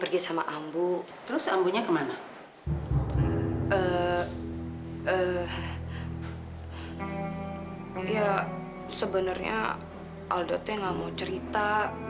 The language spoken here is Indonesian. gak mau cerita